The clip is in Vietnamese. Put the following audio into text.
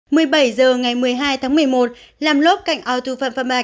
một mươi bảy giờ ngày một mươi hai tháng một mươi một làm lốp cạnh ao thu phan phan bạch